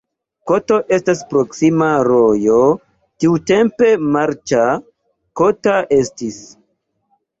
Koto estas proksima rojo, tiutempe marĉa, kota estis.